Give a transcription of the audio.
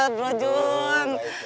apa kabar bro jun